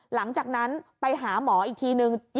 หลังจากนั้นไปหาหมออีกทีนึง